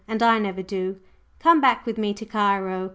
And I never do. Come back with me to Cairo.